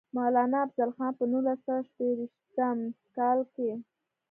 مولانا افضل خان پۀ نولس سوه شپږيشتم کال کښې